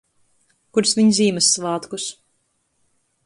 Kur sviņ Zīmyssvātkus.